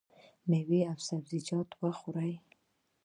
میوه او سبزیجات خورئ؟